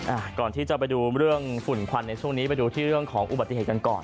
อ่าก่อนที่จะไปดูเรื่องฝุ่นควันในช่วงนี้ไปดูที่เรื่องของอุบัติเหตุกันก่อน